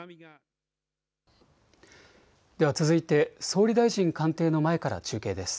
では続いて総理大臣官邸の前から中継です。